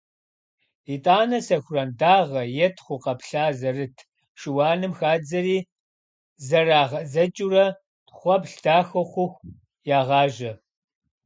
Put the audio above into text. ИтӀанэ сэхуран дагъэ е тхъу къэплъа зэрыт шыуаным хадзэри, зэрагъэдзэкӀыурэ тхъуэплъ дахэ хъуху, ягъажьэ.